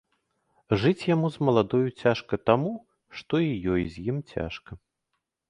Жыць яму з маладою цяжка таму, што і ёй з ім цяжка.